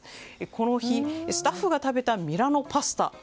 この日スタッフが食べたミラノパスタ。